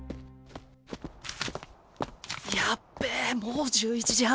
やっべもう１１時半！